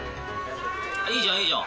いいじゃんいいじゃん。